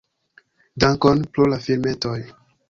Dankon pro la filmetoj!